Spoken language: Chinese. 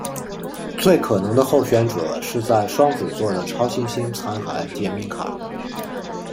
最可能的候选者是在双子座的超新星残骸杰敏卡。